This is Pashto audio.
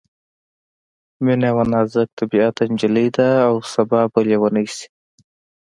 مينه یوه نازک طبعیته نجلۍ ده او سبا به ليونۍ شي